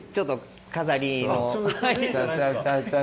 飾りの。